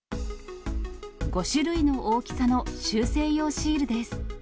５種類の大きさの修正用シー